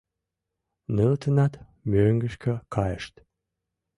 Нылытынат мӧҥгышкӧ кайышт.